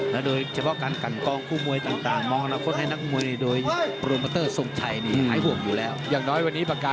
แล้วโดยเฉพาะการกันกองคู่มวยต่างมองแล้วคนให้นักมวยโดยโปรเมอเตอร์ส่งชัยนี่หายห่วงอยู่แล้ว